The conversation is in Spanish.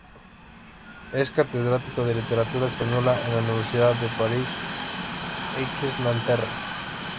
Es catedrático de Literatura Española en la Universidad de París X Nanterre.